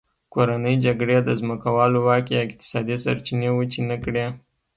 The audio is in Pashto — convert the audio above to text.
کورنۍ جګړې د ځمکوالو واک یا اقتصادي سرچینې وچې نه کړې.